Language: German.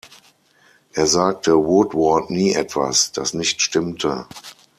Er sagte Woodward nie etwas, das nicht stimmte.